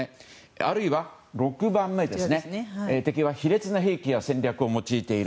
あるいは、６番目の敵は卑劣な兵器や戦略を用いている。